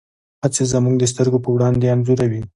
هڅې زموږ د سترګو په وړاندې انځوروي.